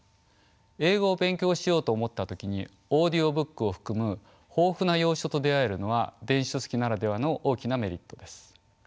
英語を勉強しようと思った時にオーディオブックを含む豊富な洋書と出会えるのは電子書籍ならではの大きなメリットです。